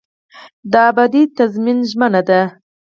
دا ابدي تضمین ژمنه ده.